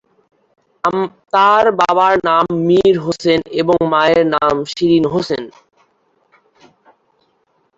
তার বাবার নাম মীর হোসেন এবং মায়ের নাম শিরীন হোসেন।